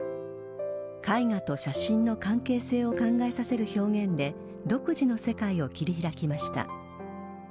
絵画と写真の関係性を考えさせる表現で独自の世界を切り開きました。